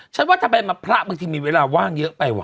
ว่าทำไมพระบางทีมีเวลาว่างเยอะไปว่